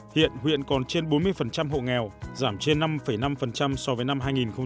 hiện huyện còn trên bốn mươi hộ nghèo giảm trên năm năm so với năm hai nghìn một mươi bảy